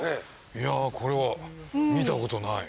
いやこれは見たことない。